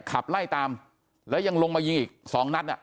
ขับไล่ตามแล้วยังลงมายิงอีกสองนัดอ่ะ